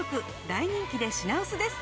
大人気で品薄です。